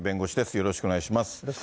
よろしくお願いします。